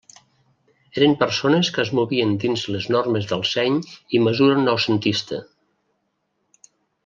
Eren persones que es movien dins les normes del seny i mesura noucentista.